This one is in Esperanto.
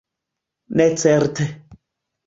Ne certe.